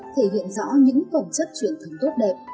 thể hiện rõ những phẩm chất truyền thống tốt đẹp